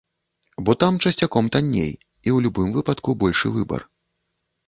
Бо там часцяком танней, і ў любым выпадку большы выбар.